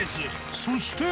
そして。